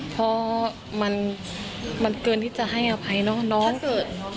เพราะมันเกินที่จะให้อภัยเนอะ